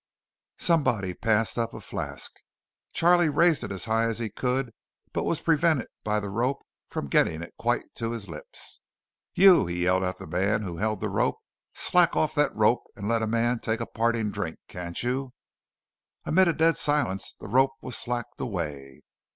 Somebody passed up a flask. Charley raised it as high as he could, but was prevented by the rope from getting it quite to his lips. "You " he yelled at the man who held the rope. "Slack off that rope and let a man take a parting drink, can't you?" Amid a dead silence the rope was slacked away.